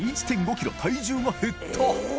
５ｋｇ体重が減った稻榲